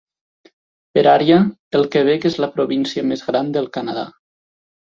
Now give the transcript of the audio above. Per àrea, el Quebec es la província més gran del Canadà.